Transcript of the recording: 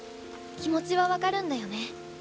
気持ちは分かるんだよね。